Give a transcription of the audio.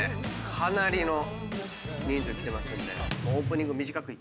かなりの人数来てますんで。